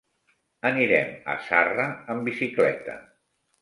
Anirem a Zarra amb bicicleta.